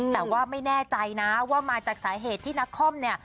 แต่ว่าไม่แน่ใจนะว่ามาจากสาเหตุที่นักคอมเนี่ย